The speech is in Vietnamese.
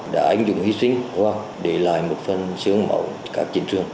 để ảnh dụng hy sinh qua để lại một phần sướng mẫu các chính trường